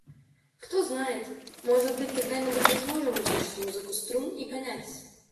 Кто знает, может быть, когда-нибудь мы сможем услышать музыку струн и понять